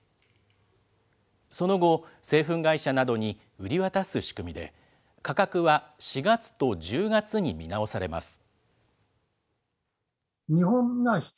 その後、製粉会社などに売り渡す仕組みで、価格は４月と１０月に見直されます。